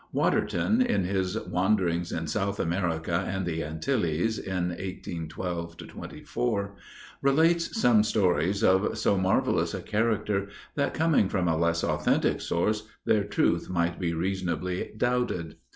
Waterton, in his "Wanderings in South America and the Antilles, in 1812 24," relates some stories of so marvellous a character, that, coming from a less authentic source, their truth might be reasonably doubted.